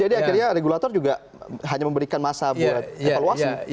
jadi akhirnya regulator juga hanya memberikan masa buat evaluasi